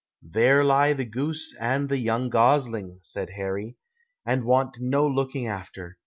"There lie the goose and the young gosling," said Harry, "and want no looking after.